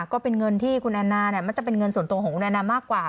ก็เป็นเงินที่คุณแอนนามักจะเป็นเงินส่วนตัวของคุณแอนนามากกว่า